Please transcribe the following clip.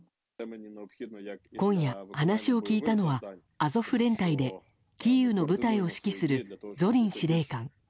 今夜、話を聞いたのはアゾフ連隊でキーウの部隊を指揮するゾリン司令官。